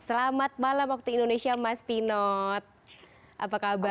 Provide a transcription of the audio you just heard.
selamat malam waktu indonesia mas pinot apa kabar